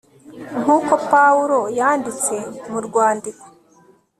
nk'uko pawulo yanditse mu rwandiko